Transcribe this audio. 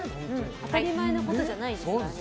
当たり前のことじゃないですからね。